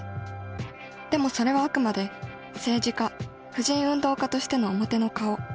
でもそれはあくまで政治家婦人運動家としての表の顔。